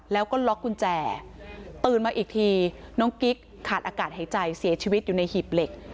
แล้วก็ล็อกกุญแจตื่นมาอีกทีน้องกิ๊กขาดอากาศหายใจเสียชีวิตอยู่ในหีบเหล็ก